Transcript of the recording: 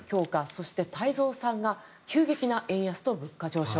そして、太蔵さんが急激な円安と物価上昇。